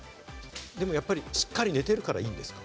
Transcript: でもやっぱり、しっかり寝てるからいいんですか？